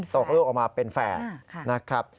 ตกลูกออกมาเป็นแฝดนะครับ